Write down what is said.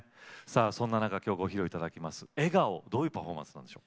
そんな中、きょうご披露いただきます「えがお」どういうパフォーマンスなんでしょう？